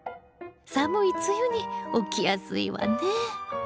寒い梅雨に起きやすいわね。